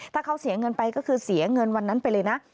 ถ้าเขาเสียเงินไปก็คือเสียเงินวันนั้นไปเลยนะ